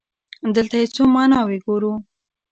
دلته يې څو ماناوې ګورو.